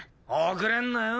遅れんなよ。